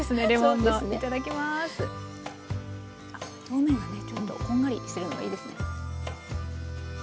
表面がねちょっとこんがりしてるのがいいですね。